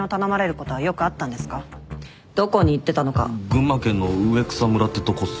群馬県の上草村ってとこっすよ。